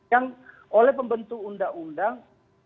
yang oleh pembentuk undang undang